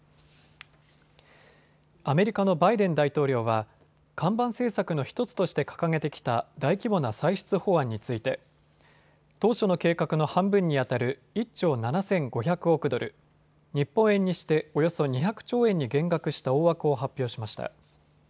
アメリカのバイデン大統領は看板政策の１つとして掲げてきた大規模な歳出法案について当初の計画の半分に当たる１兆７５００億ドル、日本円にしておよそ２００兆円に減額した大枠を発表しました。